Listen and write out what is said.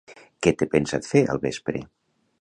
Què té pensat fer al vespre?